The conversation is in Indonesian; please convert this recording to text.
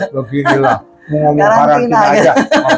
beginilah mau ngomong karantina aja